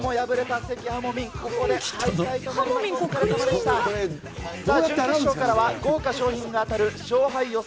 さあ、ここからは豪華賞品が当たる勝敗予想